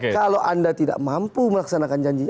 kalau anda tidak mampu melaksanakan janjinya